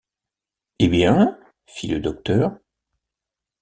Eh bien ? fit le docteur.